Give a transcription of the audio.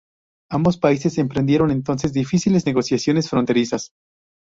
Ambos países emprendieron entonces difíciles negociaciones fronterizas.